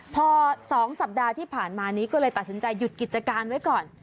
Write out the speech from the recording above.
พอ๒สัปดาห์ที่ผ่านมานี้ก็เลยตัดสินใจหยุดกิจการไว้ก่อน